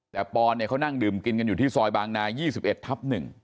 แต่ปอนเนี่ยเขานั่งดื่มกินกันอยู่ที่ซอยบางนา๒๑ทับ๑